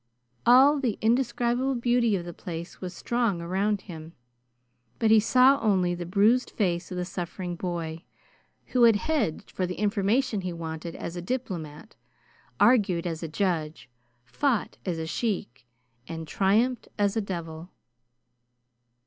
All the indescribable beauty of the place was strong around him, but he saw only the bruised face of the suffering boy, who had hedged for the information he wanted as a diplomat, argued as a judge, fought as a sheik, and triumphed as a devil.